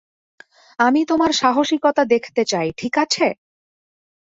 আমি তোমার সাহসিকতা দেখতে চাই, ঠিক আছে?